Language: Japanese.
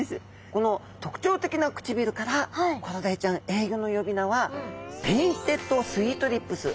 この特徴的な唇からコロダイちゃん英語の呼び名はペインテッドスイートリップスっていうんですね。